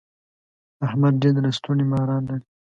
احمد ډېر د لستوڼي ماران لري.